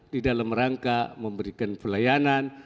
di dalam rangka memberikan pelayanan